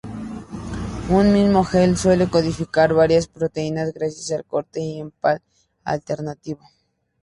Un mismo gen suele codificar varias proteínas gracias al corte y empalme alternativo.